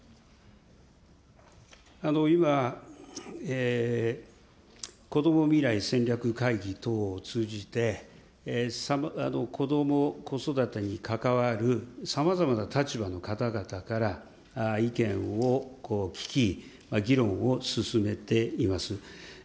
今、こども未来戦略会議等を通じて、子ども・子育てに関わるさまざまな立場の方々から、意見を聞き、議論を進めています。